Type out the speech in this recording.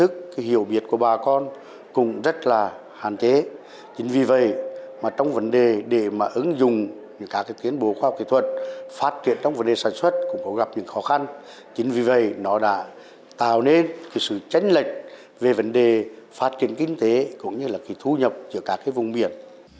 chính vì vậy nó đã tạo nên sự tranh lệch về vấn đề phát triển kinh tế cũng như là thú nhập giữa các vùng biển